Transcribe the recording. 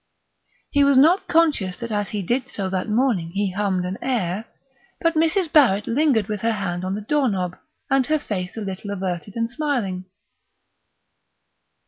He was not conscious that as he did so that morning he hummed an air; but Mrs. Barrett lingered with her hand on the door knob and her face a little averted and smiling.